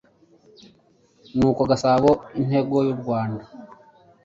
nuko Gasabo intango y'u Rwanda